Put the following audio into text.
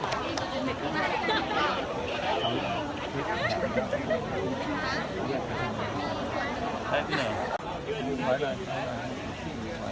อย่าถอยนะครับ